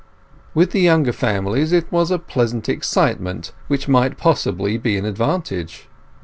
With the younger families it was a pleasant excitement which might possibly be an advantage.